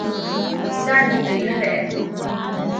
Ǹdânwì ɨ̀ fɛ̀ʼɛ̀kə̀ mə̂.